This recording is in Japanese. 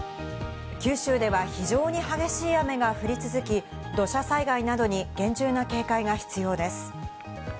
九州では非常に激しい雨が降り続き、土砂災害などに厳重な警戒が必要です。